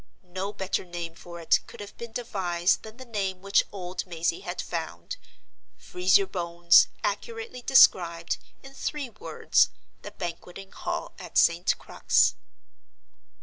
No better name for it could have been devised than the name which old Mazey had found. "Freeze your Bones" accurately described, in three words, the Banqueting Hall at St. Crux.